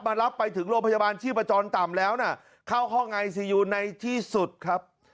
รับไปถึงโรงพยาบาลชีพจรต่ำแล้วนะเข้าห้องไอซียูในที่สุดครับ